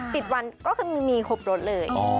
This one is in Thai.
ปิดวันก็คือมีครบรถเลย